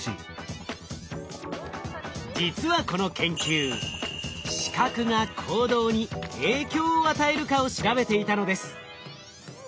実はこの研究視覚が行動に影響を与えるかを調べていたのです。